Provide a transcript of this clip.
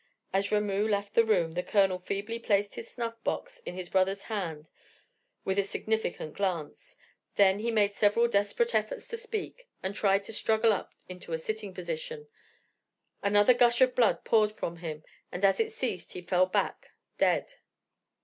As Ramoo left the room the Colonel feebly placed his snuffbox in his brother's hand with a significant glance; then he made several desperate efforts to speak, and tried to struggle up into a sitting position; another gush of blood poured from him, and as it ceased he fell back dead.